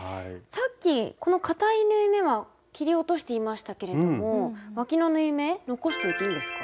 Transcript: さっきこのかたい縫い目は切り落としていましたけれどもわきの縫い目残しておいていいんですか？